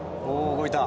動いた。